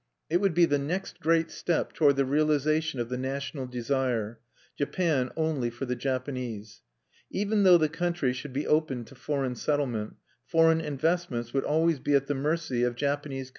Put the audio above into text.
It would be the next great step toward the realization of the national desire, Japan only for the Japanese. Even though the country should be opened to foreign settlement, foreign investments would always be at the mercy of Japanese combinations.